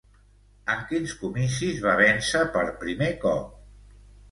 En quins comicis va vèncer per primer cop?